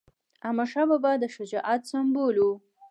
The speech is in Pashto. احمدشاه بابا د شجاعت سمبول و.